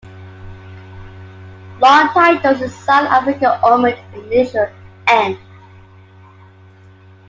Long titles in South Africa omit the initial "An".